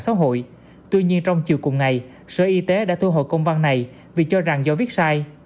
xã hội tuy nhiên trong chiều cùng ngày sở y tế đã thu hồ công văn này vì cho rằng do viết sai